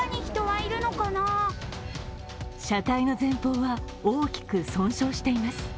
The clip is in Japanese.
車体の前方は大きく損傷しています。